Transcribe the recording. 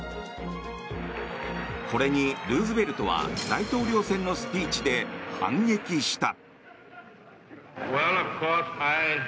これにルーズベルトは大統領選のスピーチで反撃した。